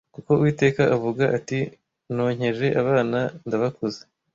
kuko Uwiteka avuga ati Nonkeje abana ndabakuza